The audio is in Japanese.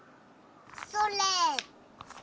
それ！